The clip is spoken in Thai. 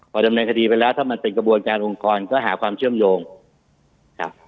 พอดำเนินคดีไปแล้วถ้ามันเป็นกระบวนการองค์กรก็หาความเชื่อมโยงครับ